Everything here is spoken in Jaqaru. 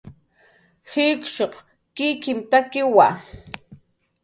jikshuq kikinhtakiwa